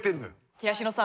東野さん。